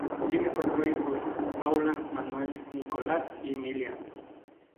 Tiene cuatro hijos, Paula, Manuel, Nicolás y Emilia.